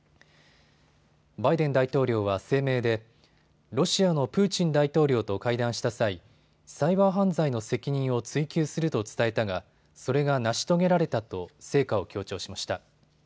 バイデン大統領は声明でロシアのプーチン大統領と会談した際、サイバー犯罪の責任を追及すると伝えたがそれが成し遂げられたと成果を強調しました。